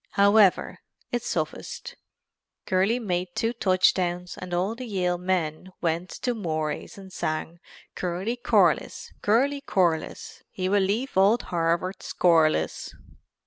However, it sufficed. Curly made two touchdowns and all the Yale men went to Mory's and sang "Curly Corliss, Curly Corliss, he will leave old Harvard scoreless."